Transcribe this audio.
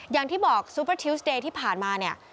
อย่างที่บอกซูเปอร์ทิวสเดย์ที่ผ่านมาเนี่ย